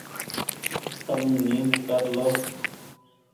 تم نيد ڪر لو ۔